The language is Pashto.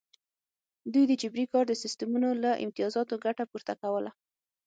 دوی د جبري کار د سیستمونو له امتیازاتو ګټه پورته کوله.